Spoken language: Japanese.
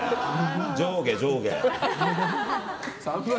上下、上下。